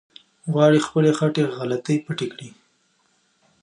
غواړي خپلې غټې غلطۍ پټې کړي.